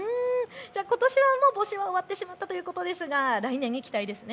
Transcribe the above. ことしはもう募集は終わってしまったということですが来年に期待ですね。